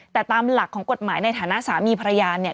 แต่ตามหลักของกฎหมายในฐานะสามีภรรยาเนี่ย